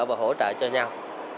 và hỗ trợ cho nhau